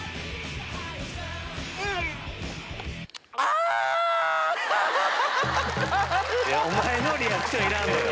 うん⁉おまえのリアクションいらんのよ。